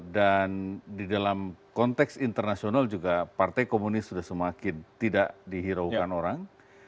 dan di dalam konteks internasional juga partai komunis sudah semakin tidak dihiraukan orang